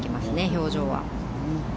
表情は。